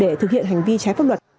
để thực hiện hành vi trái pháp luật